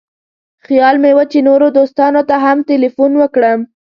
خیال مې و چې نورو دوستانو ته هم تیلفون وکړم.